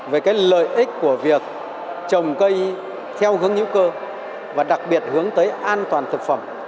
về cái lợi ích của việc trồng cây theo hướng hữu cơ và đặc biệt hướng tới an toàn thực phẩm